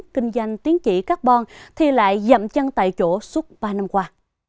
kinh doanh tính trị carbon thì lại dậm chăn tại chỗ suốt ba năm qua